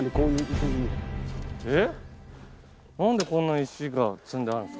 えっ？